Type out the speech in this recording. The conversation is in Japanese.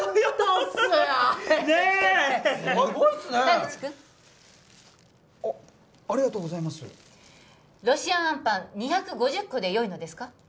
ロシアンあんぱん２５０個でよいのですか？